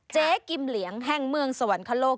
เจ๊กิมเหลียงแห่งเมืองสวรรคโลก